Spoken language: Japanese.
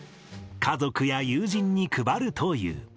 家族や友人に配るという。